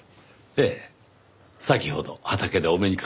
ええ先ほど畑でお目にかかりました。